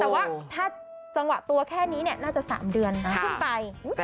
แต่ว่าถ้าจังหวะตัวแค่นี้น่าจะ๓เดือนขึ้นไป